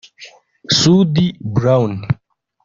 Sudi Brown